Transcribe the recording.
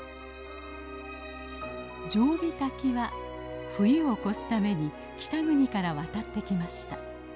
ジョウビタキは冬を越すために北国から渡ってきました。